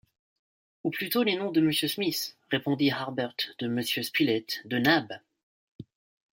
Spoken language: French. Ou plutôt les noms de Monsieur Smith, répondit Harbert, de Monsieur Spilett, de Nab !..